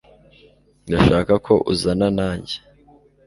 ndashaka ko uzana nanjye